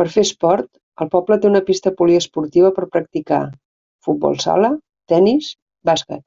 Per fer esport, el poble té una pista poliesportiva per practicar: futbol sala, tenis, bàsquet.